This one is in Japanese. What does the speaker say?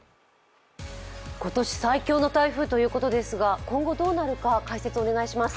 今年最強の台風ということですが、今後どうなるか解説をお願いします。